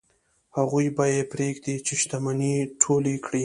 هغوی به یې پرېږدي چې شتمنۍ ټولې کړي.